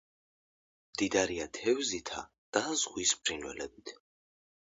მდიდარია თევზითა და ზღვის ფრინველებით.